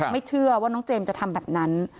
ไม่เชื่อว่าน้องเจมส์จะทำแบบนั้น